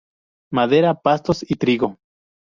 Madera, pastos y trigo.